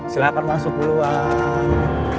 silahkan masuk duluan